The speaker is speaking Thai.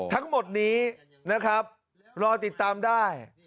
ทั้งหมดนี้นะครับรอติดตามได้